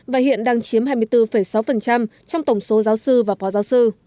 và hiện đang chiếm hai mươi bốn sáu trong tổng số giáo sư và phó giáo sư